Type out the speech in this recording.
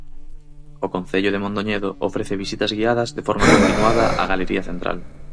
O Concello de Mondoñedo ofrece visitas guiadas de forma continuada á galería central.